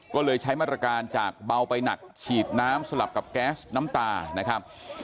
ก็เลยใช้มาตรการจากเบาไปหนักฉีดน้ำสลับกับแก๊สน้ำตานะครับ